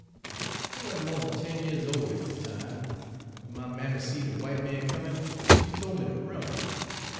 I wa'n't mo' 'n ten years ole at de time, an' w'en my mammy seed de w'ite men comin', she tol' me ter run.